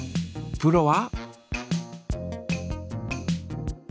プロは？